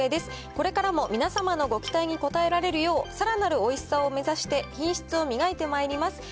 これからも皆様のご期待に応えられるよう、さらなるおいしさを目指して品質を磨いてまいります。